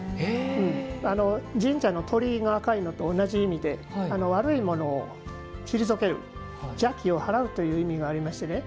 神社の鳥居が赤いのと同じ意味で悪いものを退ける邪気をはらうという意味がありまして。